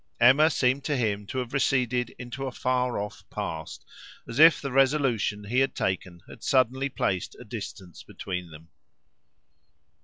Emma seemed to him to have receded into a far off past, as if the resolution he had taken had suddenly placed a distance between them.